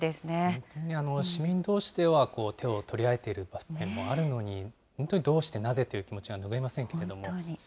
本当に市民どうしでは手を取り合えているという場面もあるのに、どうして、なぜという気持ちが拭えませんけども。